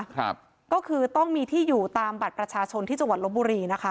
ครับก็คือต้องมีที่อยู่ตามบัตรประชาชนที่จังหวัดลบบุรีนะคะ